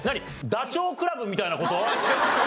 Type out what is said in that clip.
ダチョウ倶楽部みたいな事？